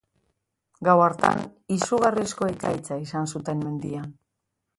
Gau hartan izugarrizko ekaitza izan zuten mendian.